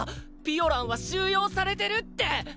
ピオランは収容されてるってッ。